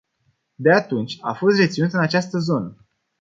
De atunci a fost reținut în această zonă.